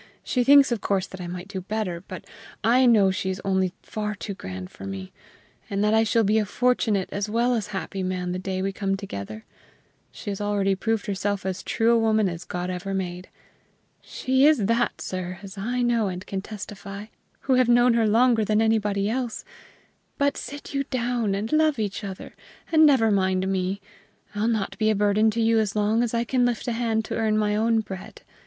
She thinks, of course, that I might do better; but I know she is only far too good for me, and that I shall be a fortunate as well as happy man the day we come together. She has already proved herself as true a woman as ever God made." "She is that, sir, as I know and can testify, who have known her longer than anybody else. But sit you down and love each other, and never mind me; I'll not be a burden to you as long as I can lift a hand to earn my own bread.